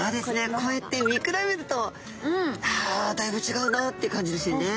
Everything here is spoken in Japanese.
こうやって見比べるとあだいぶちがうなって感じですよね。